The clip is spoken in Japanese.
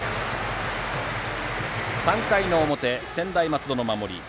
３回の表、専大松戸の守り。